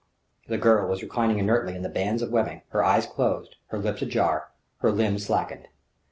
The girl was reclining inertly in the bands of webbing, her eyes closed, her lips ajar, her limbs slackened.